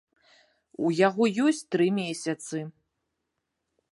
У яго ёсць тры месяцы.